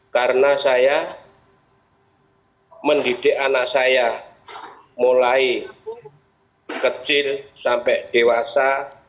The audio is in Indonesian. karena saya mendidik anak saya mulai kecil sampai dewasa